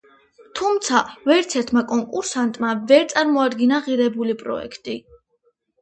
თუმცა ვერცერთმა კონკურსანტმა ვერ წარმოადგინა ღირებული პროექტი.